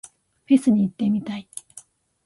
フェスに行ってみたい。